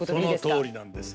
そのとおりなんです。